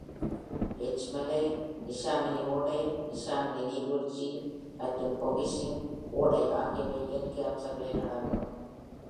Edge மலை, Neshaminy ஓடை, Neshaminy நீர்வீழ்ச்சி, மற்றும் Poquessing ஓடை ஆகியவை இயற்கை அம்சங்களில் அடங்கும்.